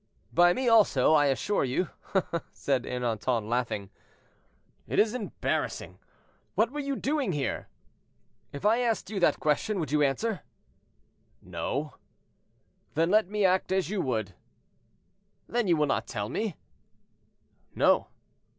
"By me also, I assure you," said Ernanton, laughing. "It is embarrassing; what were you doing here?" "If I asked you that question, would you answer?" "No." "Then let me act as you would." "Then you will not tell me?" "No."